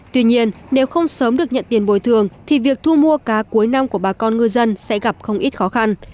tuy nhiên nếu không sớm được nhận tiền bồi thường thì việc thu mua cá cuối năm của bà con ngư dân sẽ gặp không ít khó khăn